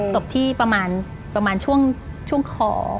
ตกที่ประมาณช่วงคอ